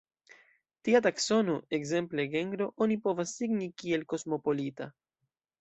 Tia taksono, ekzemple genro, oni povas signi kiel kosmopolita.